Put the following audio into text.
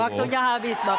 baik waktunya habis bapak